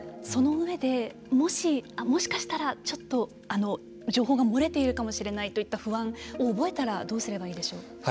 その上でもしかしたら、ちょっと情報が漏れているかもしれないといった不安おぼえたらどうすればいいでしょうか。